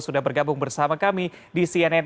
sudah bergabung bersama kami di cnn